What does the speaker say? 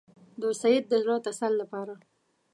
د سید د زړه تسل لپاره.